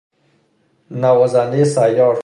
نوازندهی سیار